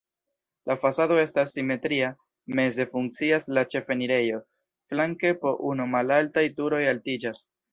La fasado estas simetria, meze funkcias la ĉefenirejo, flanke po unu malaltaj turoj altiĝas.